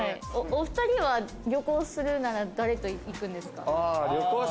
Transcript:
お２人は旅行するなら誰と行くんですか？